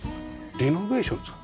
リノベーションですか？